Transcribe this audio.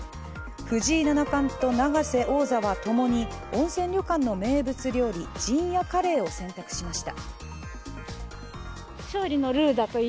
藤井七冠と永瀬王座はともに温泉旅館の名物料理陣屋カレーを選択しました。